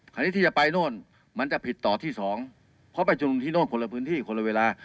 คราวนี้ที่จะไปโน่นมันจะผิดต่อที่สองเพราะไปชุมนุมที่โน่นคนละพื้นที่คนละเวลา